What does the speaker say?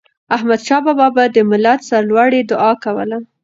احمدشاه بابا به د ملت د سرلوړی دعا کوله.